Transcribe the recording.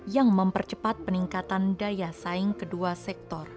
yang mempercepat peningkatan daya saing kedua sektor